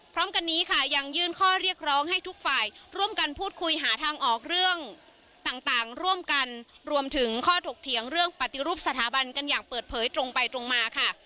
พร้อมกันนี้ค่ะยังยื่นข้อเรียกร้องให้ทุกฝ่ายร่วมกันพูดคุยหาทางออกเรื่องต่างร่วมกันรวมถึงข้อถกเถียงเรื่องปฏิรูปสถาบันกันอย่างเปิดเผยตรงไปตรงมาค่ะ